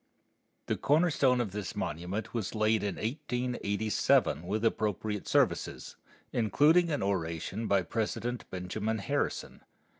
The corner stone of this monument was laid in 1887 with appropriate services, including an oration by President Benjamin Harrison.